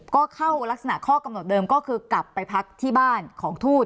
ก็เข้ารักษณะข้อกำหนดเดิมก็คือกลับไปพักที่บ้านของทูต